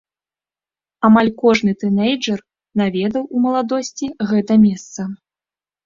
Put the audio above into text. Амаль кожны тынэйджэр наведаў у маладосці гэта месца.